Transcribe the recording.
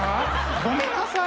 ごめんなさい。